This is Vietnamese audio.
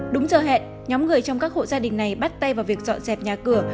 đúng giờ hẹn nhóm người trong các hộ gia đình này bắt tay vào việc dọn dẹp nhà cửa